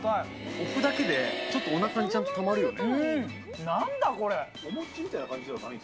おふだけで、ちょっとおなかにちゃんとたまるよね。